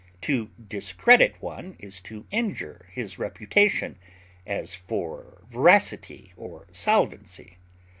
To discredit one is to injure his reputation, as for veracity or solvency.